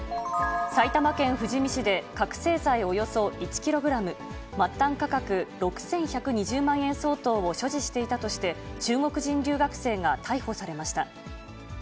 埼玉県富士見市で覚醒剤およそ１キログラム、末端価格６１２０万円相当を所持していたとして、中国人留学生が逮捕されました。